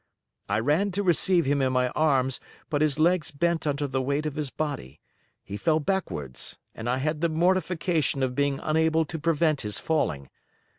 I ran to receive him in my arms, but his legs bent under the weight of his body; he fell backwards, and I had the mortification of being unable to prevent his falling.